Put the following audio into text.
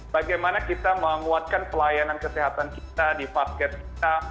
bagaimana kita menguatkan pelayanan kesehatan kita di vasket kita